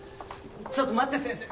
ちょっと待って先生！